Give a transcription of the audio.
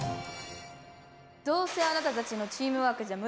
どうせあなたたちのチームワークじゃ無理なの。